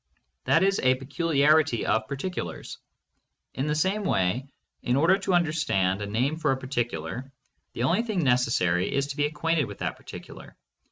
That is a peculiarity of particulars. In the same way, in order to understand a name for a particular, the only thing neces sary is to be acquainted with that particular.